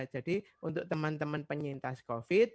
jadi untuk teman teman penyintas covid